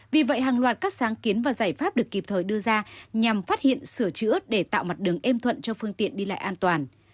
vì vậy hàng loạt các sáng kiến và giải pháp được kịp thời đưa ra nhằm phát hiện sửa chữa để tạo mặt đường êm thuận cho phương tiện đi lại an toàn